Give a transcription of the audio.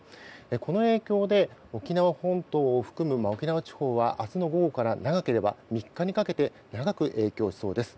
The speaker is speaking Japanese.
この影響で沖縄本島を含む沖縄地方は明日の午後から長ければ３日にかけて長く影響しそうです。